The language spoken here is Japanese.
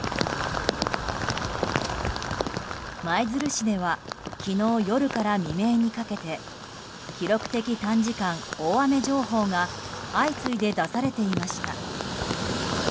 舞鶴市では昨日夜から未明にかけて記録的短時間大雨情報が相次いで出されていました。